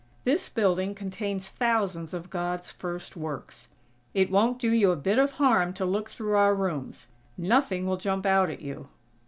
This building contains thousands of God's first works. It won't do you a bit of harm to look through our rooms. Nothing will jump out at you!"